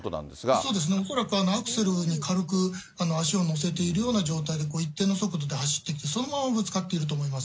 そうですね、恐らくアクセルに軽く足を乗せているような状態で、一定の速度で走ってきてそのままぶつかっていると思います。